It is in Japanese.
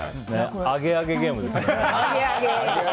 アゲアゲゲームですね。